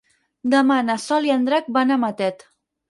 Demà na Sol i en Drac van a Matet.